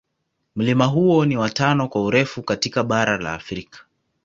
Mlima huo ni wa tano kwa urefu katika bara la Afrika.